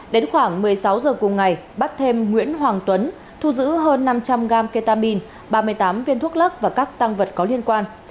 đến khoảng một mươi sáu h cùng ngày bắt thêm nguyễn hoàng tuấn thu giữ hơn năm trăm linh g ketamine ba mươi tám viên thuốc lắc và các tăng vật có liên quan